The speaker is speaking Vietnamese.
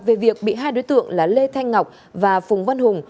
về việc bị hai đối tượng là lê thanh ngọc và phùng văn hùng